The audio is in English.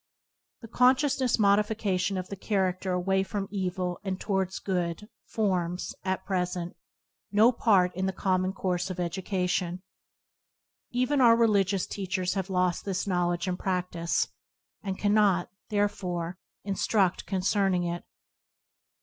The conscious modification of the charac ter away from evil and towards good, forms, at present, no part in the common course of education. Even our religious teachers have lost this knowledge and practice, and cannot, therefore, instruct concerning it.